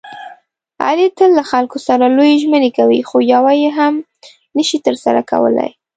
علي تل له خلکو سره لویې ژمنې کوي، خویوه هم نشي ترسره کولی.